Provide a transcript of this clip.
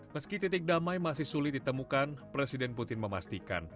meski titik damai masih sulit ditemukan presiden putin memastikan